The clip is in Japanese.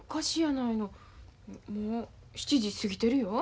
もう７時過ぎてるよ。